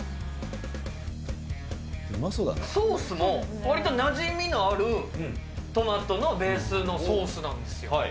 ソースもわりとなじみのある、トマトのベースのソースなんですよ。